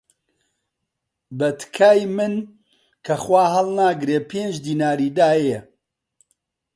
بە تکای من کە خوا هەڵناگرێ، پێنج دیناری دایە